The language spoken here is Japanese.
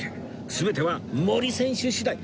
全ては森選手次第